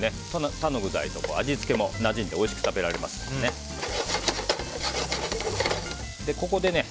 他の具材と味付けもなじんでおいしく食べられますのでね。